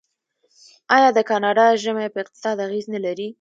آیا د کاناډا ژمی په اقتصاد اغیز نلري؟